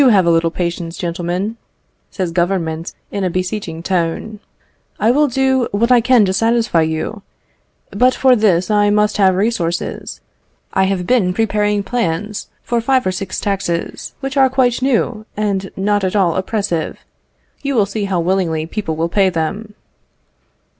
"Do have a little patience, gentlemen," says Government in a beseeching tone. "I will do what I can to satisfy you, but for this I must have resources. I have been preparing plans for five or six taxes, which are quite new, and not at all oppressive. You will see how willingly people will pay them."